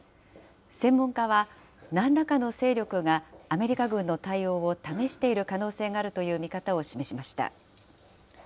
専門家は、なんらかの勢力がアメリカ軍の対応を試している可能性があるという見方を示しました。